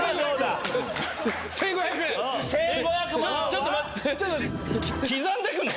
ちょっと待って。